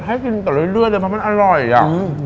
ให้กินต่อเรื่อยเลยเพราะมันอร่อยอ่ะ